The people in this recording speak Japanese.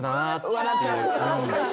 笑っちゃう人。